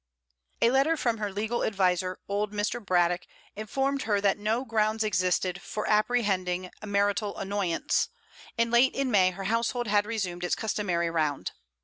A letter from her legal adviser, old Mr. Braddock, informed her that no grounds existed for apprehending marital annoyance, and late in May her household had resumed its customary round.